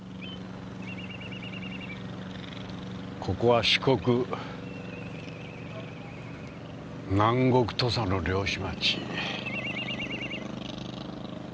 ここは四国南国土佐の漁師町。